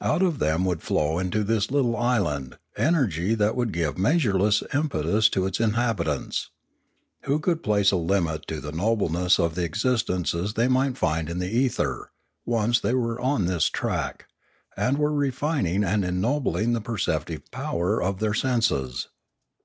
Out of them would flow into this little island energy that would give measureless impetus to its inhabitants. Who could place a limit to the nobleness of the existences they might And in the ether, once they were on this track, and were refining and ennobling the perceptive power of their senses?